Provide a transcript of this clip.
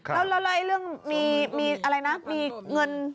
แล้วเล่าไอ้เรื่องมีอะไรนะมีเงิน